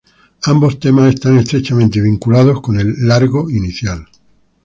Ambos temas están estrechamente vinculados con el "largo" inicial.